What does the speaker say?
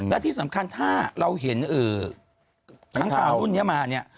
และที่สำคัญถ้าเราเห็นค้างคาวรุ่นนี้มาเนี่ย